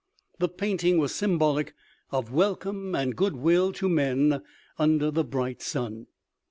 The painting was symbolic of welcome and good will to men under the bright sun.